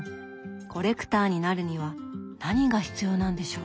コレクターになるには何が必要なんでしょう？